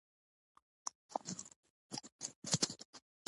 د وینې کمښت لپاره ځانګړي درمل شته.